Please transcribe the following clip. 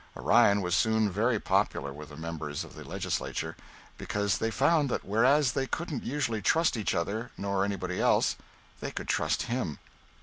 Orion was soon very popular with the members of the legislature, because they found that whereas they couldn't usually trust each other, nor anybody else, they could trust him.